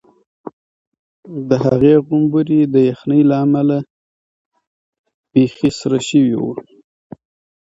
د هغې غومبوري د یخنۍ له امله بیخي سره شوي وو.